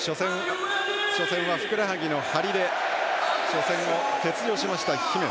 初戦はふくらはぎの張りで初戦を欠場した姫野。